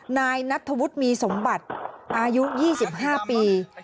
นายนัทธวุฒิมีสมบัติอายุ๒๕ปี